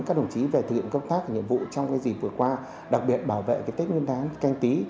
các đồng chí về thực hiện công tác và nhiệm vụ trong dịp vừa qua đặc biệt bảo vệ tết nguyên đán canh tí